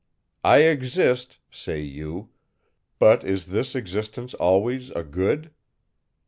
"I exist," say you; but is this existence always a good?